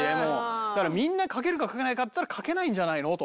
だからみんなかけるかかけないかだったらかけないんじゃないの？と。